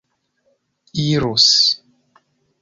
irus